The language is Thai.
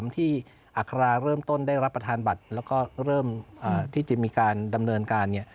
ที่อัคราเริ่มต้นได้รับประทานบัตรแล้วก็เริ่มที่จะมีการดำเนินการ